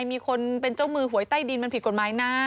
มีคนเป็นเจ้ามือหวยใต้ดินมันผิดกฎหมายนะ